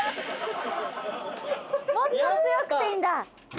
もっと強くていいんだ！